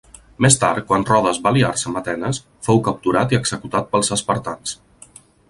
Més tard, quan Rodes va aliar-se amb Atenes, fou capturat i executat pels espartans.